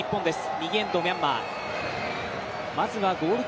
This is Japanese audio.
右エンドはミャンマー。